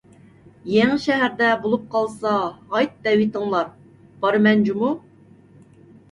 يېڭىشەھەردە بولۇپ قالسا ھايت دەۋىتىڭلار، بارىمەن جۇمۇ.